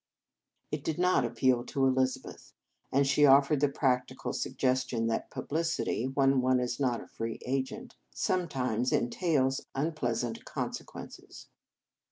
It did not appeal to Elizabeth, and she offered the practical suggestion that publicity, when one is not a free agent, sometimes entails unpleasant 248 The Game of Love consequences.